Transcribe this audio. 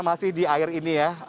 masih di air ini ya